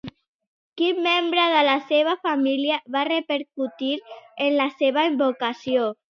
Quin membre de la seva família va repercutir en la seva vocació?